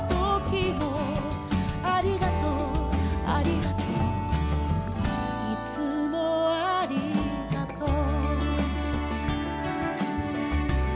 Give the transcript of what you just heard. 「ありがとうありがとう」「いつもありがとう」